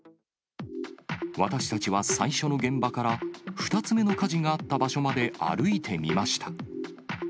私たちは最初の現場から２つ目の火事があった場所まで歩いてみました。